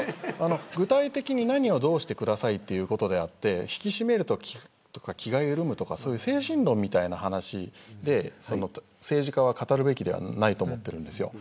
具体的に何をどうしてくださいということであって引き締めるとか気が緩むとか精神論みたいな話で政治家は語るべきではないと思うんです。